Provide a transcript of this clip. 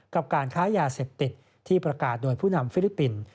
กับการค้ายาเสพติดที่ประกาศโดยผู้นำฟิลิปปินส์